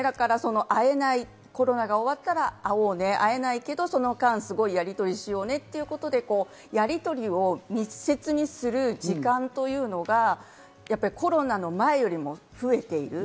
会えない、コロナが終わったら会おうね、会えないけどその間、やりとりしようねってことでやりとりを密接にする時間というのがコロナの前よりも増えている。